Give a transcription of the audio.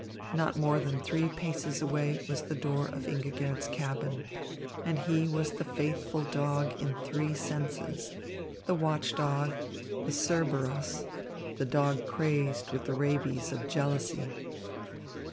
Not more than three paces away was the door of Ingigerd's cabin; and he was the faithful dog in three senses, the watchdog, the Cerberus, the dog crazed with the rabies of jealousy.